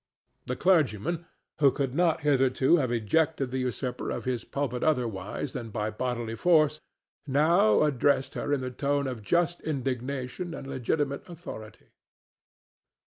The clergyman, who could not hitherto have ejected the usurper of his pulpit otherwise than by bodily force, now addressed her in the tone of just indignation and legitimate authority.